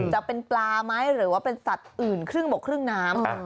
จะเป็นปลาไหมหรือว่าเป็นสัตว์อื่นครึ่งบกครึ่งน้ำ